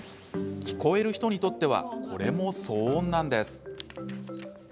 聞こえる人にとってはこれも騒音なんです。